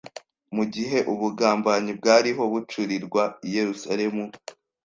Mu gihe ubugambanyi bwariho bucurirwa i Yerusalemu,